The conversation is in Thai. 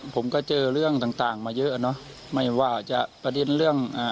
ผมก็เจอเรื่องต่างต่างมาเยอะเนอะไม่ว่าจะประเด็นเรื่องอ่า